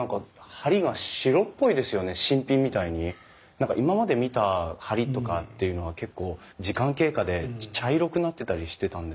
何か今まで見た梁とかっていうのは結構時間経過で茶色くなってたりしてたんですけど。